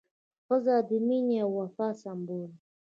ښځه د مینې او وفا سمبول ده.